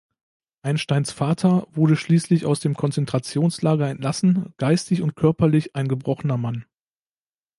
Einsteins Vater wurde schließlich aus dem Konzentrationslager entlassen, geistig und körperlich ein gebrochener Mann.